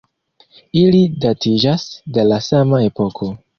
Ili datiĝas de la sama epoko.